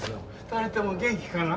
２人とも元気かな？